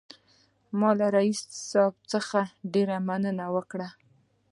ما له رییس صاحب څخه ډېره مننه وکړه.